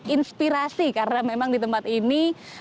inspirasi karena memang di tempat ini